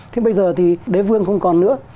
thế bây giờ thì đế vương không còn nữa